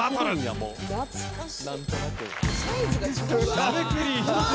しゃべくり一筋！